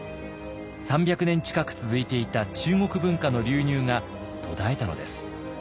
３００年近く続いていた中国文化の流入が途絶えたのです。